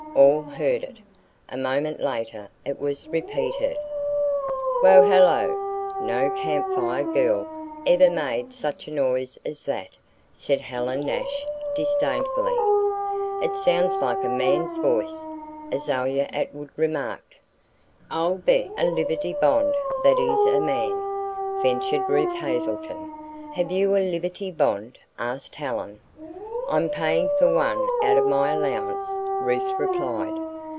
All heard it. A moment later it was repeated. "Wohelo!" "No Camp Fire Girl ever made such a noise as that," said Helen Nash disdainfully. "It sounds like a man's voice," Azalia Atwood remarked. "I'll bet a Liberty Bond that it is a man," ventured Ruth Hazelton. "Have you a Liberty Bond?" asked Helen. "I'm paying for one out of my allowance," Ruth replied.